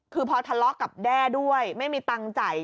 คือพอทะเลาะกับแด้ด้วยไม่มีตังค์จ่าย